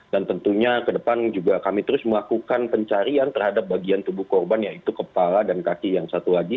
dan tentunya ke depan juga kami terus melakukan pencarian terhadap bagian tubuh korban yaitu kepala dan kaki yang satu lagi